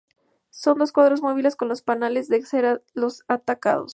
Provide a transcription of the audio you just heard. Son los cuadros móviles con los panales de cera los atacados.